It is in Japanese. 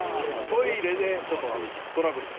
トイレでちょっとトラブルみたいな。